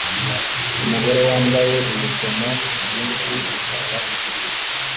Umugore wambaye ibikomo byinshi afata ifoto